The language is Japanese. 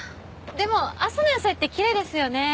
でも朝の野菜ってきれいですよね。